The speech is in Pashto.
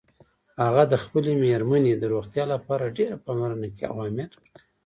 هغه د خپلې میرمن د روغتیا لپاره ډېره پاملرنه کوي او اهمیت ورکوي